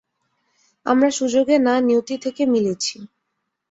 আমরা সুযোগে না নিয়তি থেকে মিলেছি।